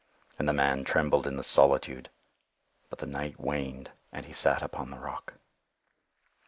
And the man trembled in the solitude;—but the night waned and he sat upon the rock.